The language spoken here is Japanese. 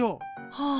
はあ。